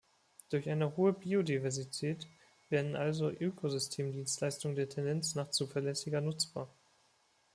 Durch eine hohe Biodiversität werden also Ökosystemdienstleistungen der Tendenz nach zuverlässiger nutzbar.